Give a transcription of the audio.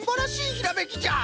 ひらめきじゃ。